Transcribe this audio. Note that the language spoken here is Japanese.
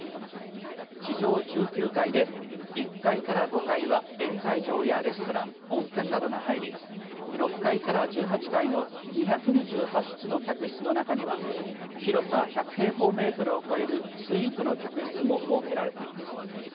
地上１９階で１階から５階は宴会場やレストラン温泉などが入り６階から１８階の２２８室の客室の中には広さ１００平方メートルを超えるスイートの客室も設けられています。